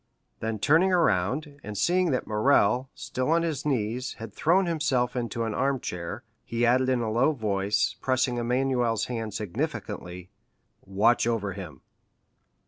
Then turning around, and seeing that Morrel, still on his knees, had thrown himself into an armchair, he added in a low voice, pressing Emmanuel's hand significantly, "Watch over him."